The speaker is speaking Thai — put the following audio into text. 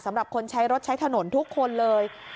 สำหรับคนใช้รถใช้ถนนทุกคนเลย